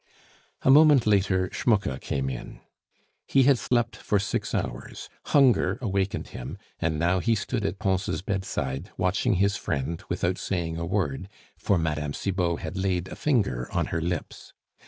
A moment later Schmucke came in. He had slept for six hours, hunger awakened him, and now he stood at Pons' bedside watching his friend without saying a word, for Mme. Cibot had laid a finger on her lips.